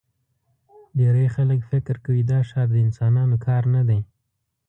ډېری خلک فکر کوي دا ښار د انسانانو کار نه دی.